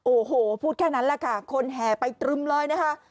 โอ้โหพูดแค่นั้นแหละค่ะคนแห่ไปตรึมเลยนะคะ